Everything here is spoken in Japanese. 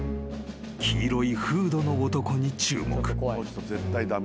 ［黄色いフードの男に注目］